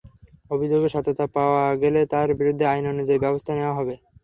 অভিযোগের সত্যতা পাওয়া গেলে তাঁর বিরুদ্ধে আইন অনুযায়ী ব্যবস্থা নেওয়া হবে।